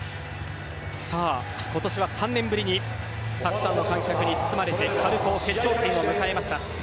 今年は３年ぶりにたくさんの観客に包まれて春高決勝戦を迎えました。